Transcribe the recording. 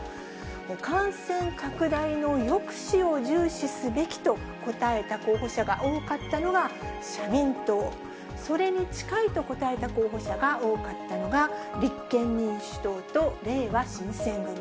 感染拡大の抑止を重視すべきと答えた候補者が多かったのが社民党、それに近いと答えた候補者が多かったのが立憲民主党とれいわ新選組。